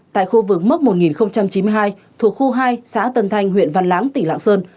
tại khu vực mốc một nghìn chín mươi hai thuộc khu hai xã tân thanh huyện văn lãng tỉnh lạng sơn